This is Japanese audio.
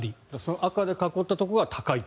赤で囲ったところが高いと。